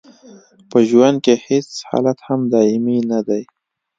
په ژوند کې هیڅ حالت هم دایمي نه دی.